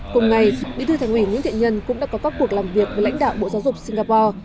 cùng ngày bí thư thành ủy nguyễn thiện nhân cũng đã có các cuộc làm việc với lãnh đạo bộ giáo dục singapore